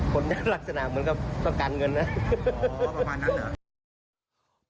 คนที่ลักษณะเหมือนกับต้องการเงินนะฮ่าอ๋อประมาณนั้นเหรอ